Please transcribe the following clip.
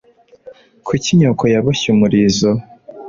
Kuki nyoko yaboshye umurizo?